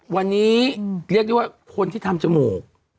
วันนี้เรียกได้ว่าคนที่ทำจมูก